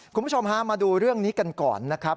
คุณผู้ชมฮะมาดูเรื่องนี้กันก่อนนะครับ